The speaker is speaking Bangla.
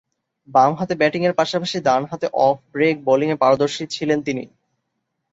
বামহাতে ব্যাটিংয়ের পাশাপাশি ডানহাতে অফ ব্রেক বোলিংয়ে পারদর্শী ছিলেন তিনি।